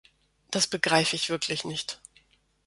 Das begreife ich wirklich nicht.